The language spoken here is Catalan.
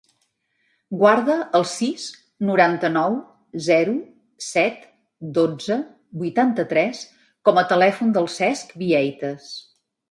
Guarda el sis, noranta-nou, zero, set, dotze, vuitanta-tres com a telèfon del Cesc Vieites.